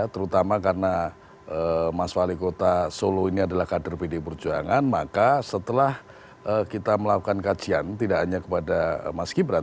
terutama karena mas wali kota solo ini adalah kader pdi perjuangan maka setelah kita melakukan kajian tidak hanya kepada mas gibran